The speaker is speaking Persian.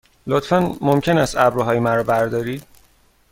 لطفاً ممکن است ابروهای مرا بردارید؟